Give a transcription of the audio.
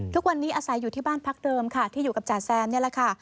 ทุกวันนี้อาศัยอยู่ที่บ้านพักเดิมค่ะที่อยู่กับจ่าแซมนี่แหละค่ะ